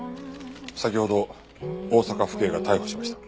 先ほど大阪府警が逮捕しました。